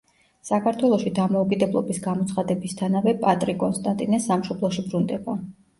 საქართველოში დამოუკიდებლობის გამოცხადებისთანავე პატრი კონსტანტინე სამშობლოში ბრუნდება.